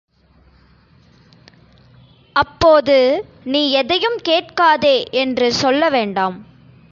அப்போது, நீ எதையும் கேட்காதே என்று சொல்ல வேண்டாம்.